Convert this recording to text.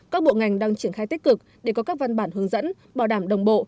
các bộ ngành đang triển khai tích cực để có các văn bản hướng dẫn bảo đảm đồng bộ